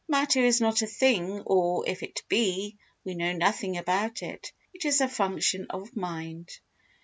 Matter is not a thing or, if it be, we know nothing about it; it is a function of mind.